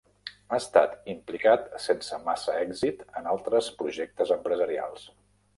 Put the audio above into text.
Ha esta implicat sense massa èxit en altres projectes empresarials.